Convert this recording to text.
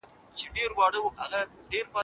هغه منظرې ډېرې زړه راښکونکې وې.